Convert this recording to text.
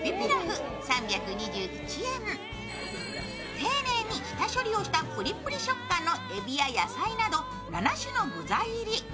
丁寧に下処理をしたプリプリ食感のえびや野菜など７種の具材入り。